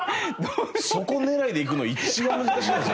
そこ狙いでいくの一番難しいですよ。